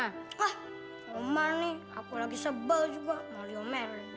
hah oma nih aku lagi sebel juga mau liomer